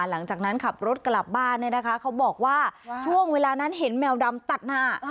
หลังจากนั้นขับรถกลับบ้านเนี่ยนะคะเขาบอกว่าช่วงเวลานั้นเห็นแมวดำตัดหน้า